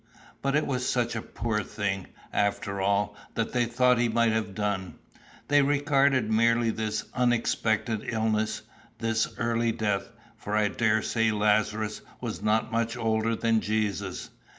But it was such a poor thing, after all, that they thought he might have done. They regarded merely this unexpected illness, this early death; for I daresay Lazarus was not much older than Jesus.